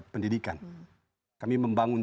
pendidikan kami membangun